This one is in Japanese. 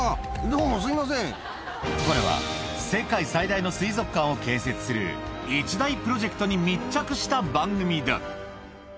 どうもすみまこれは、世界最大の水族館を建設する一大プロジェクトに密着した番組だ。